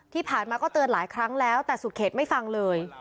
ที่ผ่านมาก็เตือนหลายครั้งแล้วแต่สุดเขตไม่ฟังเลย